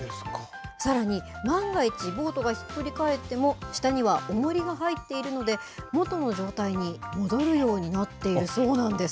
さらに、万が一、ボートがひっくり返っても、下にはおもりが入っているので、元の状態に戻るようになっているそうなんです。